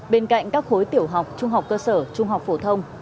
bên cạnh các khối tiểu học trung học cơ sở trung học phổ thông